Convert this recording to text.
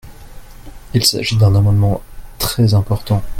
Il s’agit d’un amendement très important.